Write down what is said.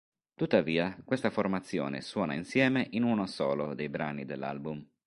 Tuttavia, questa formazione suona insieme in uno solo dei brani dell'album.